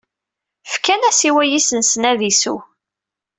Fkan-as i wayis-nsen ad isew.